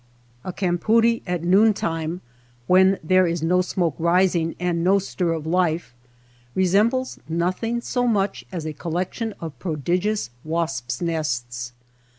A campoodie at noontime, when there is no smoke rising and no stir of life, re sembles nothing so much as a collection of prodigious wasps' nests.